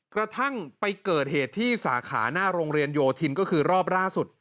กระทั่งไปเกิดเหตุที่สาขาหน้าโรงเรียนโยธินก็คือรอบล่าสุด